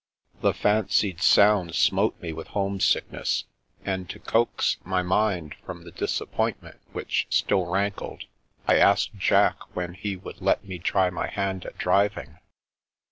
The fancied sound smote me with homesickness, and to coax my mind from the disappointment which still rankled, I asked Jack when he would let me try my hand at driving.